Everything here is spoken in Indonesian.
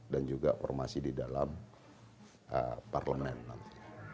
dan juga formasi di dalam parlemen nanti